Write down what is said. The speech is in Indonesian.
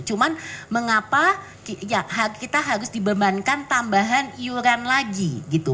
cuma mengapa ya kita harus dibebankan tambahan iuran lagi gitu